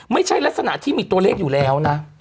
ไม่ใช่ลักษณะที่มีตัวเลขอยู่แล้วนะ